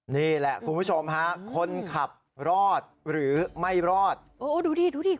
นี่แหละคุณผู้ชมฮะคนขับรอดหรือไม่รอดโอ้ดูดิดูดิ